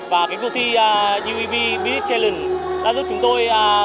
và cuộc thi ueb business challenge đã giúp chúng tôi